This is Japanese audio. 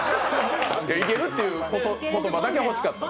行けるっていう言葉だけ欲しかった。